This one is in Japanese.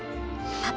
パパ！